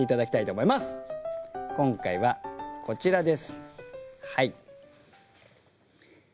今回はこちらです。